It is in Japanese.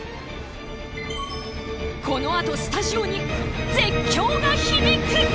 このあとスタジオに絶叫が響く！